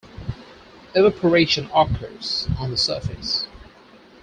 Evaporation occurs "on the surface".